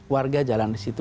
warga jalan disitu